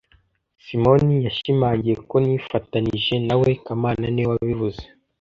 Simoni yashimangiye ko nifatanije na we kamana niwe wabivuze